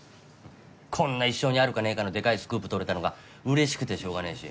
こんな一生にあるかねぇかのでかいスクープ取れたのがうれしくてしょうがねぇし